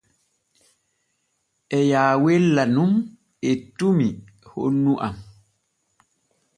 E yaawella nun ettumi honnu am.